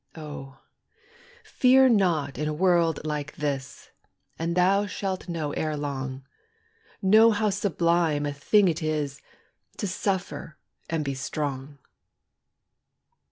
Oh, fear not in a world like this, And thou shalt know ere long, Know how sublime a thing it is To suffer and be strong.